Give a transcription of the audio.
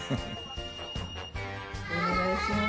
お願いします。